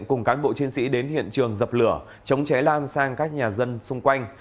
cùng cán bộ chiến sĩ đến hiện trường dập lửa chống cháy lan sang các nhà dân xung quanh